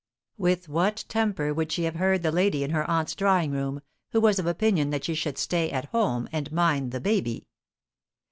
With what temper would she have heard the lady in her aunt's drawing room, who was of opinion that she should "stay at home and mind the baby"?